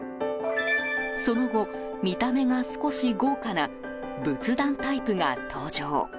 その後、見た目が少し豪華な仏壇タイプが登場。